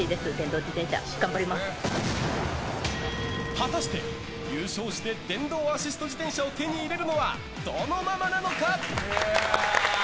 果たして、優勝して電動アシスト自転車を手に入れるのはどのママなのか？